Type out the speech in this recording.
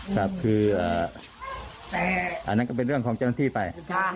ครับคืออันนั้นก็เป็นเรื่องของเจ้าหน้าที่ไป